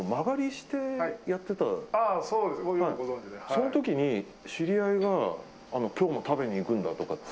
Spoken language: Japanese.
その時に知り合いが今日も食べに行くんだって。